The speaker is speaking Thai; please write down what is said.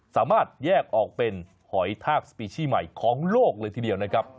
สามารถแยกออกเป็นหอยทากสปีชี่ใหม่ของโลกเลยทีเดียวนะครับ